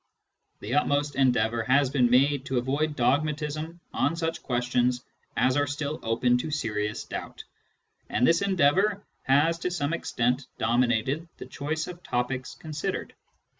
The utmost endeavour has been made to avoid dogmatism on such questions as are still open to serious doubt, and this endeavour has to some extent dominated the choice of topics considered.